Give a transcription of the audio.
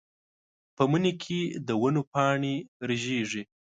په مني کې د ونو پاڼې رژېږي.